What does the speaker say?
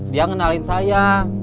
dia kenalin saya